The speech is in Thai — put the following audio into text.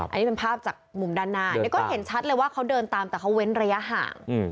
อันนี้เป็นภาพจากมุมด้านหน้าเนี่ยก็เห็นชัดเลยว่าเขาเดินตามแต่เขาเว้นระยะห่าง